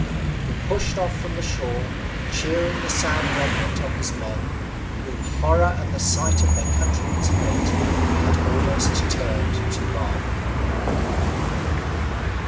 He pushed off from the shore, cheering the sad remnant of his men, whom horror at the sight of their countrymen's fate had almost turned to marble.